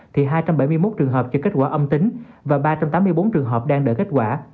thì hai trăm bảy mươi một trường hợp cho kết quả âm tính và ba trăm tám mươi bốn trường hợp đang đợi kết quả